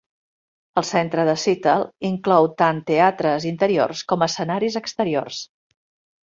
El Centre de Seattle inclou tant teatres interiors com escenaris exteriors.